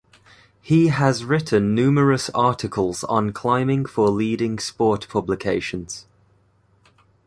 He has written numerous articles on climbing for leading sport publications.